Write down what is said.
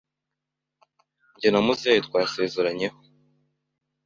Njye na Muzehe twasezeranyeho